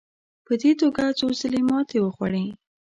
په دې توګه څو ځله ماتې وخوړې.